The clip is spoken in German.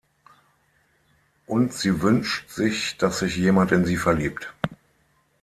Und sie wünscht sich, dass sich jemand in sie verliebt.